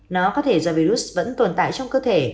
nó có thể do virus vẫn tồn tại trong cơ thể